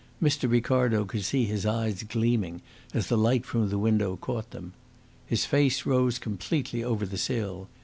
Mr. Ricardo could see his eyes gleaming as the light from the window caught them. His face rose completely over the sill.